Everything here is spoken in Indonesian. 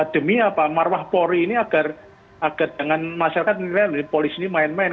demi apa marwah polri ini agar dengan masyarakat menilai polisi ini main main